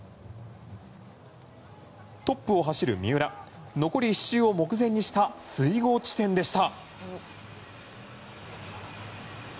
トップを走る三浦残り１周を目前にした水濠地点でした。